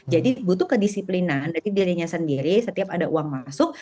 jadi butuh kedisiplinan jadi dirinya sendiri setiap ada uang masuk